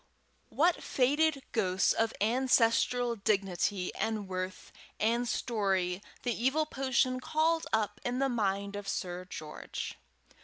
What faded ghosts of ancestral dignity and worth and story the evil potion called up in the mind of Sir George!